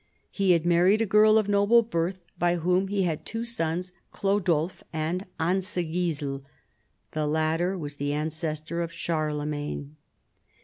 He had married a girl of noble family, b}' whom he had two sons, Chlodulf and Ansigisel. The latter was the ancestor of Charlemagne.